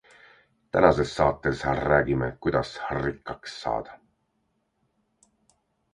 Tänases saates räägime kuidas rikkaks saada.